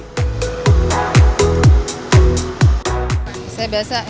bagaimana cara membeli kolang kaling